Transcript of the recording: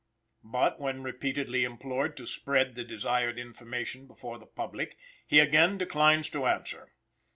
But, when repeatedly implored to spread "the desired information" before the public, he again declines to answer.